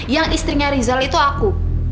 yang istrinya rizal itu aku